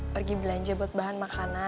pergi belanja buat bahan makanan